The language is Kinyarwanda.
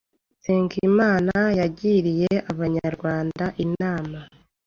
Nsengimana yagiriye Abanyarwanda inama